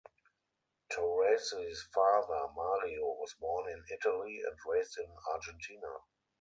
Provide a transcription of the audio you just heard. Taurasi's father, Mario, was born in Italy, and raised in Argentina.